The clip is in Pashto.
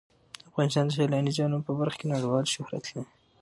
افغانستان د سیلانی ځایونه په برخه کې نړیوال شهرت لري.